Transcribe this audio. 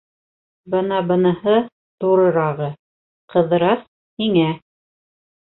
— Бына быныһы, ҙурырағы, Ҡыҙырас, һиңә.